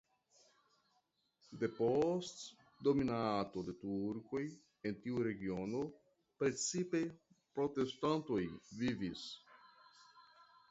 Depost dominado de turkoj en tiu regiono precipe protestantoj vivis.